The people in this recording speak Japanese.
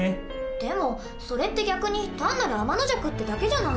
でもそれって逆に単なるアマノジャクってだけじゃない。